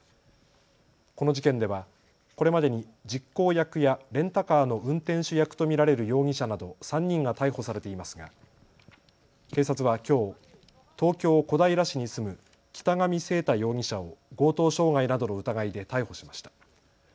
この事件ではこれまでに実行役やレンタカーの運転手役と見られる容疑者など３人が逮捕されていますが警察はきょう東京小平市に住む北上聖大容疑者を強盗傷害などの疑いで逮捕しました。